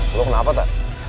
lo kenapa tan